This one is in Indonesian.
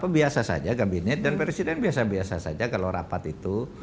biasa saja kabinet dan presiden biasa biasa saja kalau rapat itu